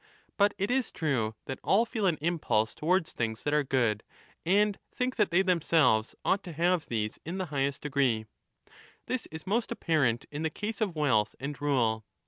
But it is true that all feel an impulse towards things that are good, and think that they themselves ought to have these in the 35 highest degree. This is most apparent in the case of wealth and rule.